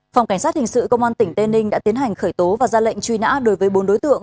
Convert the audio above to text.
phòng cảnh sát hình sự công an tỉnh tây ninh đã tiến hành khởi tố và ra lệnh truy nã đối với bốn đối tượng